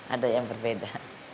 ada yang berbeda